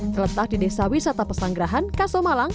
terletak di desa wisata pesanggerahan kasomalang